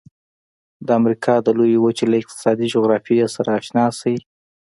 د امریکا د لویې وچې له اقتصادي جغرافیې سره آشنا شئ.